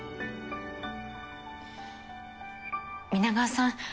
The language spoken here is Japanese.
皆川さん